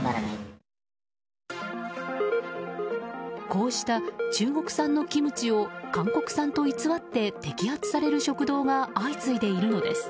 こうした、中国産のキムチを韓国産と偽って摘発される食堂が相次いでいるのです。